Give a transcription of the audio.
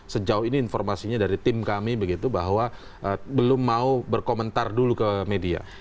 sejauh ini informasinya dari tim kami begitu bahwa belum mau berkomentar dulu ke media